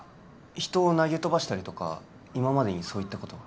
人を投げ飛ばしたりとか今までにそういったことは？